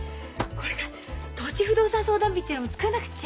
これから土地不動産相談日ってのも作らなくっちゃ。